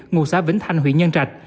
ngụ xã vĩnh thanh huyện nhân trạch